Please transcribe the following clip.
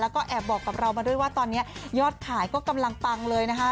แล้วก็แอบบอกกับเรามาด้วยว่าตอนนี้ยอดขายก็กำลังปังเลยนะคะ